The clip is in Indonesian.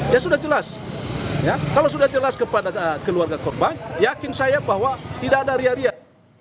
ya sudah jelas ya kalau sudah jelas kepada keluarga korban yakin saya bahwa tidak ada riak riak